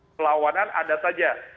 pelawanan ada saja